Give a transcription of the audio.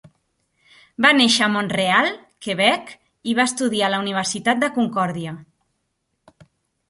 Va néixer a Montreal, Quebec, i va estudiar a la Universitat de Concordia.